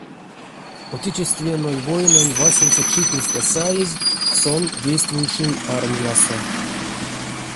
Отечественной войнань васенце читнестэ саезь сон действующей армиясо.